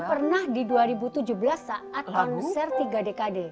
pernah di dua ribu tujuh belas saat konser tiga dekade